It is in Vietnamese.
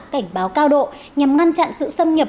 cảnh báo cao độ nhằm ngăn chặn sự xâm nhập